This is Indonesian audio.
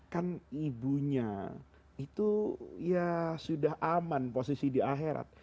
kan ibunya itu ya sudah aman posisi di akhirat